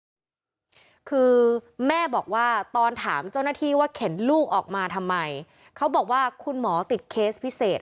คือแม่บอกว่าตอนถามเจ้าหน้าที่ว่าเข็นลูกออกมาทำไมเขาบอกว่าคุณหมอติดเคสพิเศษ